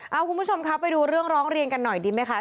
เอาคุณผู้ชมครับไปดูเรื่องร้องเรียนกันหน่อยดีไหมคะ